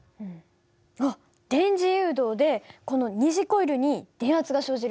あっ電磁誘導でこの二次コイルに電圧が生じる。